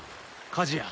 火事や。